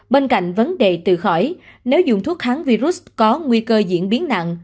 bên cạnh vấn đề từ khỏi nếu dùng thuốc kháng virus có nguy cơ diễn biến nặng